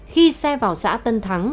khi xe vào xã tân thắng